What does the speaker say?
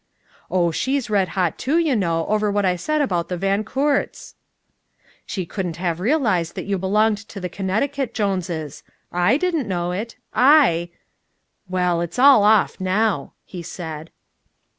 "Oh, she's red hot, too, you know, over what I said about the Van Coorts." "She couldn't have realized that you belonged to the Connecticut Joneses. I didn't know it. I " "Well, it's all off now," he said.